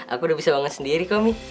aku udah bisa bangun sendiri kum preparasi